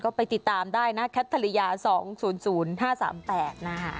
ก็ไปติดตามได้นะแคปทะเลยาสองศูนย์ศูนย์ห้าสามแปดนะคะ